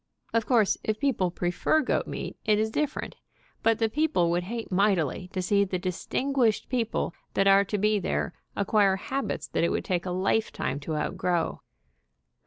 Of course, if people prefer goat meat, it is different, but the people would hate mightily to see the distin guished people that are to be there acquire habits that it would take a lifetime to outgrow.